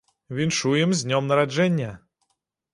Віншуем з днём нараджэння!